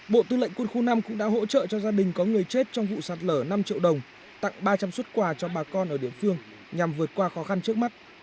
bộ tư lệnh quân khu năm cũng đã hỗ trợ cho gia đình có người chết trong vụ sạt lở năm triệu đồng tặng ba trăm linh xuất quà cho bà con ở địa phương nhằm vượt qua khó khăn trước mắt